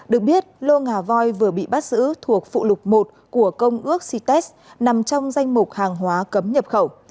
được biết lô ngà voi vừa bị bắt giữ thuộc phụ lục một của công ước cites nằm trong danh mục hàng hóa cấm nhập khẩu